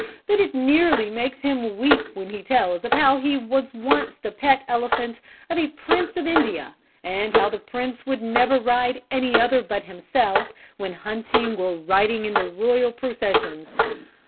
But it nearly makes him weep when he tells of how he was once the pet elephant of a Prince of India and how the Prince would never ride any other but himself when hunting or riding in the royal processions.